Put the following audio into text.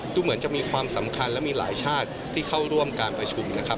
ดูเหมือนจะมีความสำคัญและมีหลายชาติที่เข้าร่วมการประชุมนะครับ